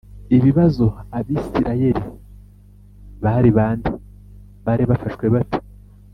Ibibazo abisirayeli bari ba nde bari bafashwe bate